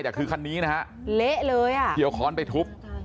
แต่คือคันนี้นะฮะเละเลยอ่ะเกี่ยวค้อนไปทุบ